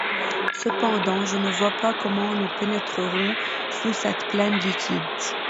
Cependant je ne vois pas comment nous pénétrerons sous cette plaine liquide.